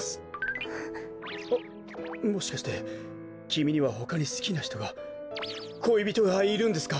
あっもしかしてきみにはほかにすきなひとがこいびとがいるんですか？